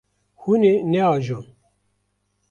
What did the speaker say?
Hûn ê neajon.